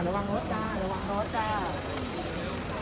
ระวังรถจ้าระวังรถจ้า